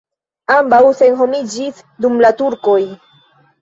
Ambaŭ senhomiĝis dum la turkoj.